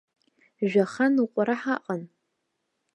Жәаха ныҟәара ҳаҟан.